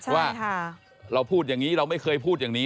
ว่าเราปู์อย่างนี้ไม่เคยปูสิอย่างนี้